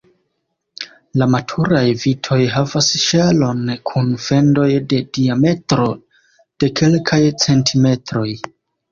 La maturaj vitoj havas ŝelon kun fendoj de diametro de kelkaj centimetroj.